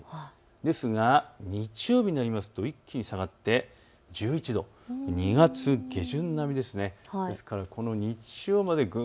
ですが日曜日になりますと一気に下がって１１度、２月下旬並みです。